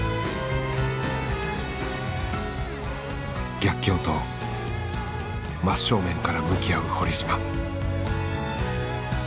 逆境と真正面から向き合う堀島。